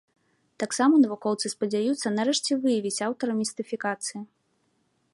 Таксама навукоўцы спадзяюцца, нарэшце, выявіць аўтара містыфікацыі.